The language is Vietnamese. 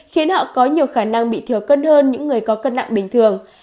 khiến họ có nhiều khả năng bị thừa cân hơn những người có cân nặng bình thường